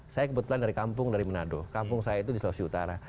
saya kebetulan dari kampung dari manado kampung saya itu di sulawesi utara